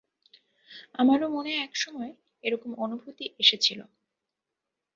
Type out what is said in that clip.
আমারও মনে একসময় এরকম অনুভূতি এসেছিল!